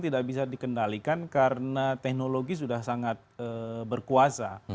tidak bisa dikendalikan karena teknologi sudah sangat berkuasa